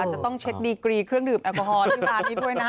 จะต้องเช็คดีกรีเครื่องดื่มแอลกอฮอลที่ร้านนี้ด้วยนะ